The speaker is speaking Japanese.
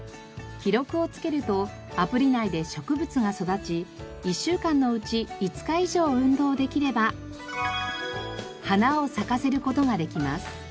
記録をつけるとアプリ内で植物が育ち１週間のうち５日以上運動できれば花を咲かせる事ができます。